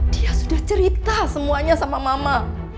dia sudah cerita semuanya sama mama